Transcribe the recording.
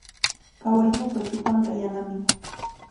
Kawalluupa chupanqa yanami.